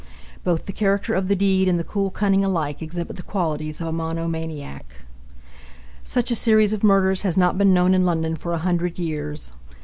Both the character of the deed and the cool cunning alike exhibit the qualities of a monomaniac. Such a series of murders has not been known in London for a hundred years.